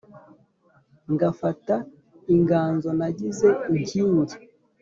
ngafata inganzo nagize inkingi